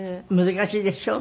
難しいでしょ？